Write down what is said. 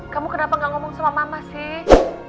kamu kenapa gak ngomong sama mama sih